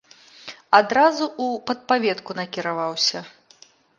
Адразу ў падпаветку накіраваўся.